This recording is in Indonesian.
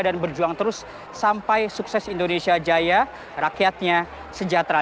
dan berjuang terus sampai sukses indonesia jaya rakyatnya sejahtera